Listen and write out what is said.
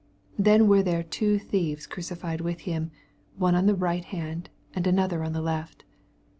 88 Then were there two thieves crucified with him, one on the right hand, and another on the left.